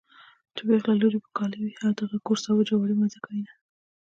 چې پېغله لور يې په کاله وي د هغه کور سابه جواری مزه کوينه